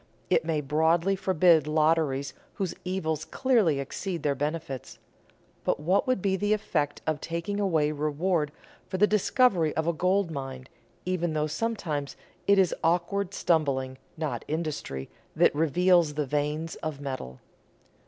It may broadly forbid lotteries whose evils clearly exceed their benefits. But what would be the effect of taking away reward for the discovery of a gold mine, even though sometimes it is awkward stumbling, not industry, that reveals the veins of metal?